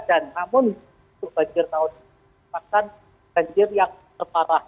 dan namun itu banjir tahun paskan banjir yang keparah